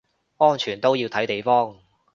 安全都要睇地方